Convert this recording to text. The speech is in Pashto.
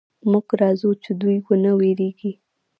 موږ راځو چې دوئ ونه وېرېږي.